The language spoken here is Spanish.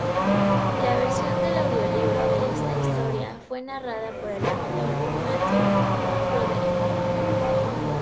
La versión de audiolibro de esta historia fue narrada por el actor Matthew Broderick.